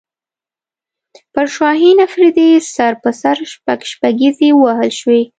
پر شاهین افریدي سر په سر شپږ شپږیزې ووهل شوې